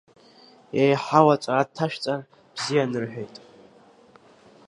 Еиҳау аҵара дҭашәҵар бзиан рҳәеит.